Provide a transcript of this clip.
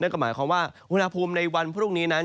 ก็หมายความว่าอุณหภูมิในวันพรุ่งนี้นั้น